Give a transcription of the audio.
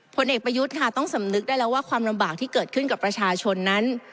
ผลเอกประยุทธ์ค่ะต้องสำนึกได้แล้วว่าความลำบากที่เกิดขึ้นกับประชาชนนั้น